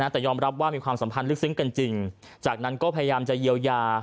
แต่ยอมรับว่ามีความสัมพันธ์ลึกซึ้งกันจริงจากนั้นก็พยายามจะเยียวยา